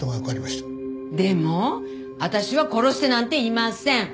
でも私は殺してなんていません。